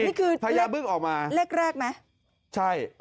นี่คือพญาบึ้งออกมาเลขแรกไหมใช่